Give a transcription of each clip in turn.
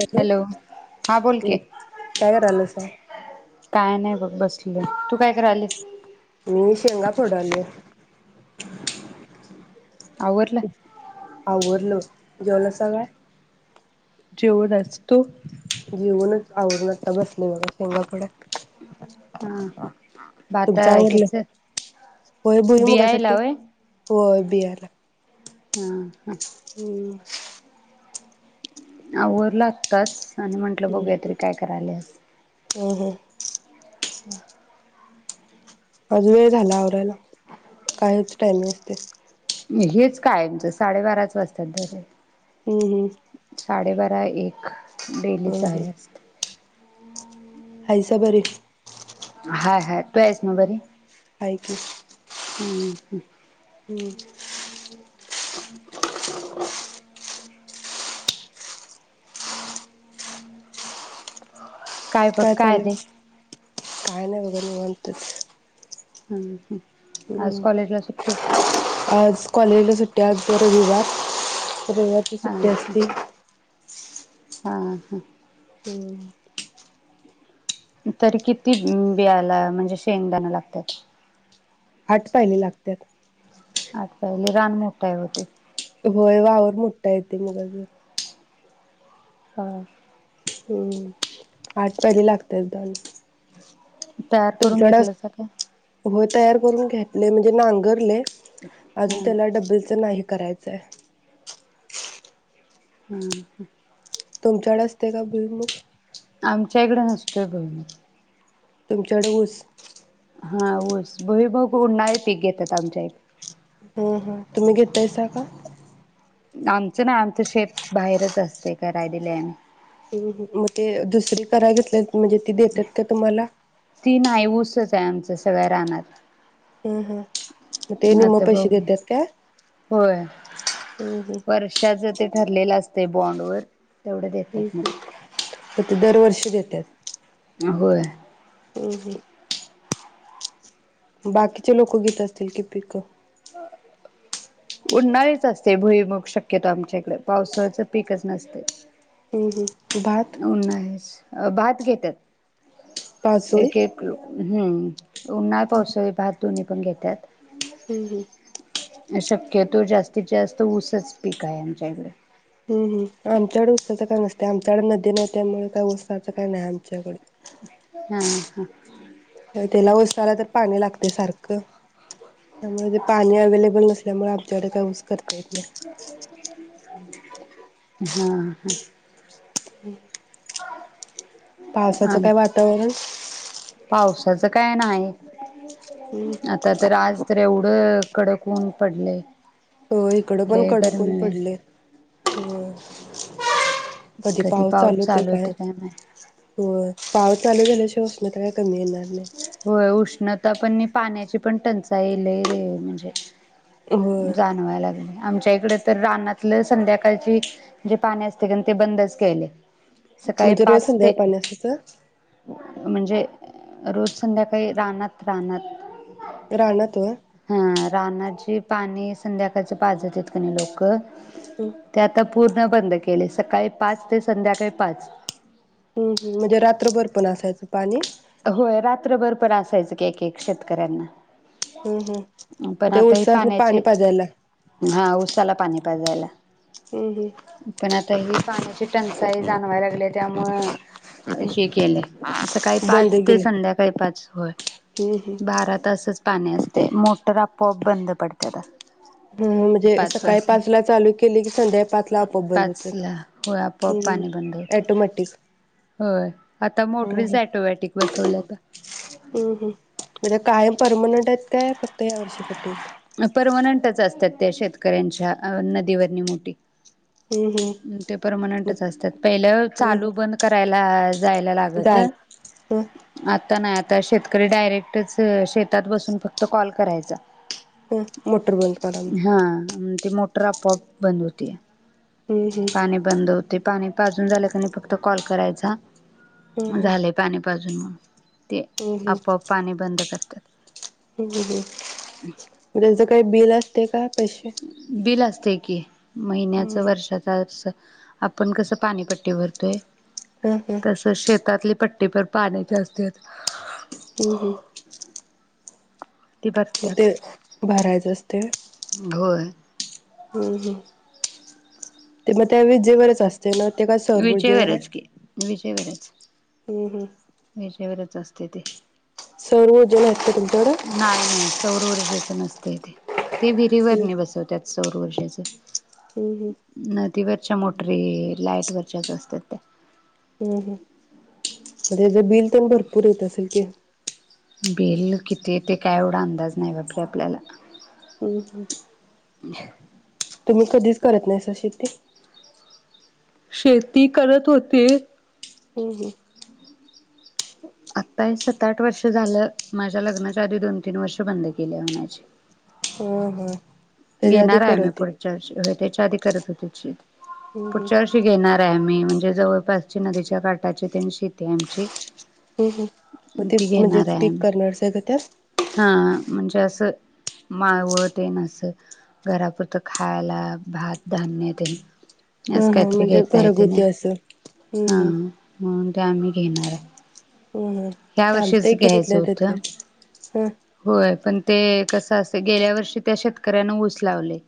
Hello हा बोल की काय करायल्यासा काय नाय बघ बसले तू काय करायलीस मी शेंगा फोडालोय आवरलं आवरल जेवला सगळे जेवुनच तु जेवुनच आवरुन आत्ता बसलोय बघ शेंगा फोडत हा हा ब आता हेच आवरलं होय बियायला भुईमुगासाठी होय. होय बीयाला. हूं हूं हूं आवरल आत्ताच आणि म्हंटलं बघूया तरी काय करायल्यास हं हं हम्. आज वेळ झाला आवरा्यला कायच टाईम नसते. हेच कायमचं साडेबाराच वाजतात दरवेळे हम्म हम्म. साडे बारा एक डेलीच हम्म हम्म आहे असत. हायसा बरी. हाय हाय तू आहेस ना बरी हाय की. हम हम. हम. [inaudible] काय चालू काय नाही बघ. बघ निवांत. हम आज कॉलेजला सुट्टी. आज कॉलेजला सुट्टी आज रविवार. रविवारची हा सुट्टी हा असती. हा हा. हम्म. तर किती बियायला म्हणजे शेंगदाण लागतात? आठ पायली लागतात. आठ पायली रान मोठं काय होते. होय वावर मोठं येते मगा ज हा. हम्म आठ पायली लागतात दाण. तयार करून घेतलं सकाय. होय तयार करून घेतले म्हणजे नांगरले. अजून हा त्याला डब्बलच नाही. करायचंय. हम्म हम्म. तुमच्याकडे असते का भुईमूग? आमच्याकडे नसतोय भुईमूग. तुमच्याकडे ऊस? हा ऊस भुईमूग उनणारे पीक घेतात आमच्याकडे. हम हा तुम्ही घेतायसा का? आमचं ना आमचं शेत बाहेरच असते करायला दिले आम्ही. हम्म मग ते दुसरी कराय घेतले? म्हणजे ती देतात का तुम्हाला? ते आमचं सगळं रानात हम्म हम म ते निम आता पैसे बघू देतात का होय. हम्म हम्म. वर्षाच ते ठरलेलं असते बॉन्ड वर ठीक आहे तर ते दरवर्षी देतात. होय. हम्म हम्म बाकीचे लोक घेत असतील की पिक? उन्हाळीच असते भुईमग शक्यतो आमच्याकडे पावसाचं पिकच नसते. हम हम. उन नाहीच. अ भात घेत्यात. पाचोळी एक एकल हम्म उनाळी पावसाळी भात दोनी पण घेत्यात हम्म हम्म शक्यतो जास्तीत जास्त ऊसाच पीक आहे आमच्या इकडे. हम हम आमच्याकडे उस्साच काय नसते आमच्याकडे नद्दी नही त्यामुळे काय उस्साच काय नाय आमच्याकडे. हा हा ऊस त्याला तर पाणी लागतय सारख. त्यामुळे ते पाणी अवेलेबल नसल्यामुळे आमच्याकडे काय ऊस करता येत नाय. हा ह हम्म पावसाच आम काय वातावरण? त्याचं काय नायी हम्म हम्म. आता तर आज त एवढ कडक उन पडलये. हो इकड पण कडक ऊन पडलये. कधी पाऊस चालूत काय? व्हय पावु चालु झाल्या शिवाय उष्णता काय कमी ओणार होय उष्ण आता पण नी पाण्याची पण टंचाई लइ दे म्हणजे होय जाणवाय लागलय आमच्या इकडे तर रानातल संध्याकाळची जे पाणी असते का ते बंदच केलय. म्हणजे रोज संध्याय पाण्याच का? म्हणजे रोज संध्याकाळी रानात रानात रानात होय हा राणाजी पाणी संध्याकाळचं पाजत आहेतेत क नाही लोकं [unintelligible] पूर्ण बंद केले सकाळी पाच ते संध्याकाळी पाच हम हम म्हणजे रात्रभर पण असायचं पाणी? होय रात्रभर पर असायच. की एक एक शेतकऱ्यांना हम्म हम्म पण ते आता हे उसासनी पाणी पाण्याचे, पाजायला हा ऊसाला पाण्या [unintelligible] हम्म हम्म पण आता पाण्याची टंचाई जाणवायला लागली आहे त्यामुळे हे केलंय असं काही बंद पाच ते केलं. संध्याकाळी पाच होय हम्म हम्म बारा तासच पाणी असतय मोटर आपोआप बंद पडतात. हम म्हणजे सकाळी पाच ला चालू केली की संध्या पाच ला आपआप बंद पाच ला होय होतात आपोआप हम पाणी बंद होते ऑटोमॅटिक. होय आता मोटरीच हम्म ऑटोमॅटिक बसवल्याता हम म्हणजे कायम परमनंट काय फक्त या वर्षासाठी आहेत. परमनंटच असतात. त्या शेतकऱ्यांच्या नदीवरणी मोठी हम्म हम्म ते मग परमनंटच असतात पहिलं हम्म चालू हम्म बंद करायला जायला लागत चालेल. ह आता नाही आता आता शेतकरी डायरेक्टच शेतात बसून फक्त कॉल करायचं. चा ह मोटर बंद करा. म्हणून ते मोटर आपोआप बंद होती ते हम्म हम्म पाणी बंद होते. पा पाजून झालं कि नाही फक्त कॉल करायचा. हम्म झालंय पाणी पाजून म्हणून ते आपोआप पाणी बंद करा. [inaudible] हम मग त्यांचे काही बिल असतं. ते काय पैशे बिल असते की. महिन्याच वर्षाचा असं. आपण कसं पाणीपट्टी भरतोय. हं हं तसं शेतातली पट्टीभर पाण्याचे असतेत. हम्म हम्म. ती भरत्यात ते भरायचं अस ते होय हम्म हम्म ते ते मग त्या विजेवरचं अस तेना ते का सौर ऊर्जे वर हाय? विजेवरच की विजेवरच. हम्म हम्म. विजेवरच असतय ते. सौरऊर्जा नाहीत का तुमच्याकडं? द्यायच नसतय ते. ते विहिरीवरनी बसवत्याच. सौरऊर्जेच. हम्म हम्म. तिवच्या मोटरीत वर्च्याच असत्यात. [inaudible] हम्म हम्म. तेज बिल? तेन भरपूर येत असल की? बिल किती येतय काय एवढा अंदाज नाय बापरे आपल्याला. हम्म हम्म. [inaudible] तुम्ही कधीच करत नाहीसा शेती? शेती करत होते. हम्म हम्म. आत्ताये सत आठ वर्ष झालं, माझ्या लग्नाच्या आधी दोन तीन वर्ष बंद केल्या म्हणायची. हम्म हम्म. घेणार आहे मी पुढच्या वर्षी होय त्याच्या आधी करत होतीत शेती हम्म हम् पुढच्या वर्षी घेणार. घेणार हाय मी, म्हणजे जवळपासची नदीच्या काठाची तेन शेती हाय आमची. हम्म हम् मग ते ती म्हणजे घेणार हाय पीक आम्ही. करणारच आहे का त्या हा म्हणजे असं माळव तेन असं घरापुरतं खायला भात, धान्य तेन. हा असं हा काहीतरी म्हणजे घेता येते घरगुती नाही असं, हा हम्म हम्म. म्हणून ते आम्ही घेणार आय हम्म हम् ह्या वर्षीच चालतंय कि घ्यायचं तिथल्या तिथे होतं ह होय पण ते कसं असत गेल्या वर्षी त्या शेतकऱ्यान ऊस लावले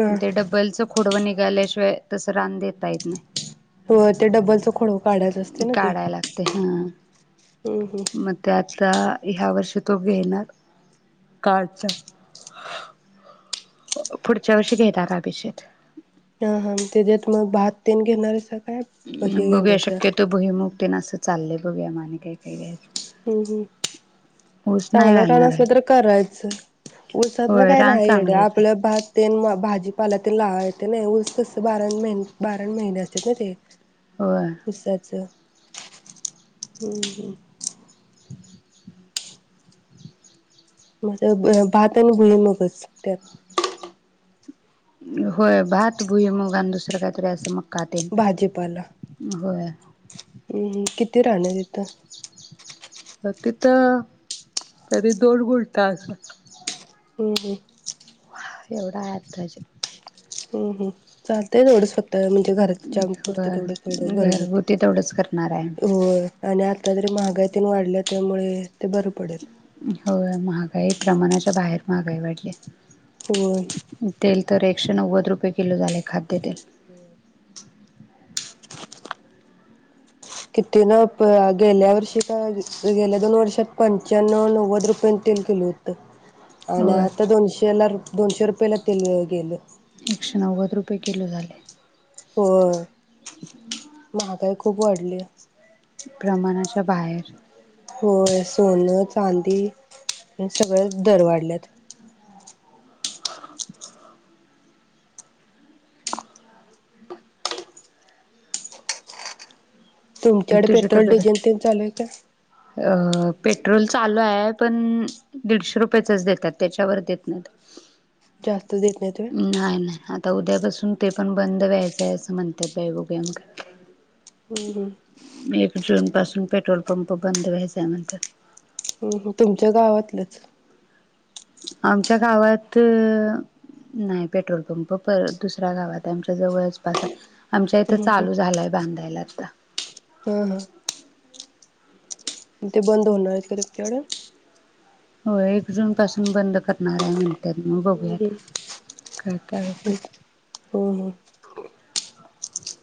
हा ते डबलचं खोडव निघ निघाल्याशिवाय तसं रान देता येत नाय हो ते डबलच खोडव काढायच असतय ना ते काढायला लागते हा हम हम मग ते आता ह्या वर्षी तो घेणार काचा, पुढच्या वर्षी घेणार आम्ही शेत हा हा त्याच्यात मग भात तेन घेणार असाल. बघूया शक्यतो भुईमुग ते असं चाललेय बघूया मग काय काय घ्यायचं हम हम ऊस नाही चांगलं रान घालणार आहे असलं तर करायचं ऊसातन होय काय रान नाही एवढं चांगलंच आहे आपल्या भात तेन भाजीपाला तेन लावाय येत नाही, उस कसं बार महिने बाराण महिने असतात ना ते. होय उसाचं हम हम. म तर भात आणि भुईमूगच त्यात होय भात भुई मग आणि दुसरं काहीतरी असं मक् का तेन होय. हम किती रान देता? तिथं तरी दोन गुंटा असल हं हं एवढा आहे आताशी हं हं चालतंय तेवढं स्वत म्हणजे घरच्यापुरत तेवढं केलं होय बरं हुतय, घरगुती तेवढंच करणार आहे. होय आणि आता जरी महागाई तेन वाढल्या त्यामुळे ते बरं पडेल हो महागाई प्रमाणाच्या बाहेर महागाई वाढल्या होय तर एकशे नव्वद रुपये किलो झालय खाद्यतेल हम्म किती न गेल्या वर्षी का गेल्या दोन वर्षात पंचानौ - नव्वद रुपयन तेन किलो होत आणि होय आता दोनशेला दोनशे रुपयाेला तेल गेलं एकशे नव्वद रुपये किलो झालय. होय महाग गाई खूप वाढलीया प्रमाणाच्या बाहेर होय सोन चांदी सगळं दर वाढल्यात. [unintelligible] तुमच्याकडे तुझी पेट्रोल तब्येत डिझेल ते चालू आहे काय? अ पेट्रोल चालू आहे पण दीडशे रुपयाचं देतात त्याच्यावर देत नाही. जास्त देत नाहीत व्हय नाहीय नाही आता आता उद्यापासून ते पण बंद व्हायचंय असं म्हणतात बाई बघुया. हम हम. पासून पेट्रोल पंप बंद व्हायचा म्हणतात. हम् तुमच्या गावातलंच. आमच्या गावात नाही पेट्रोल पंप परत दुसऱ्या गावात आमच्या जवळचपास आहे. आमच्या इथं हम्म चालू झालाय बांधायला आता. हम्म हा हा ते बंद होणार कत तेवढ- हो एक जून पासून बंद करणार आहे म्हण. बघूयात काय कात- हम्म च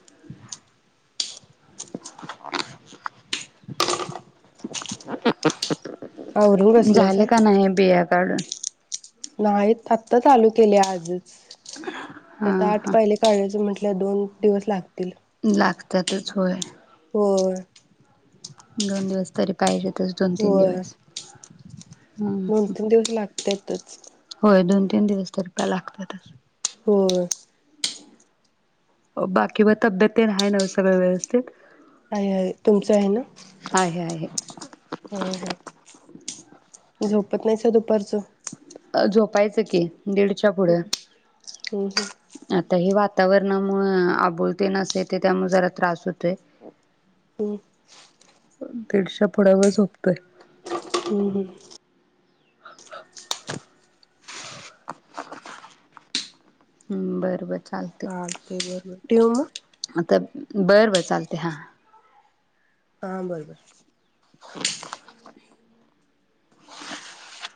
क क आवरून बसल्यासा झाले का नाही बिया काढून. नाही आत्ता चालू केले आजच. हा त्याता आठ हा पाहिले काढयचं म्हंटलं. आप दोन दिवस लागतील. लागतातच होय. वर दोन दिवस तरी पाहिजेत. दोन तीन होय दिवस- दोन ह तीन दिवस लागत. त्यातच. होय दोन तीन दिवस तर र प लागतात. हो बाकी व तब्येत आहे न सगळं व्यवस्थित हय आहे तुमचं आहे ना आहे आहे हा हा स अ झोपायचं की. दीडच्या पुढे आ- हम्म हम्म आता हे वातावरणामुळे आबुोलते नसे ते त्यामु जरा त्रास होतोय हम् दीडशा पुड्यावर झोपतोय हम् ह हाा ह् बर बर चालते चालतंय बरं बरं ठेऊ मग? बरं बरं चालते हां. हा बरोबर. [inaudible]